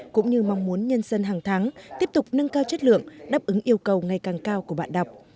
cũng như mong muốn nhân dân hàng tháng tiếp tục nâng cao chất lượng đáp ứng yêu cầu ngày càng cao của bạn đọc